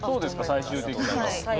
最終的には。